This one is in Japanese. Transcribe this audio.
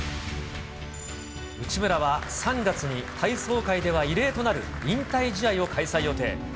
内村は３月に体操界では異例となる引退試合を開催予定。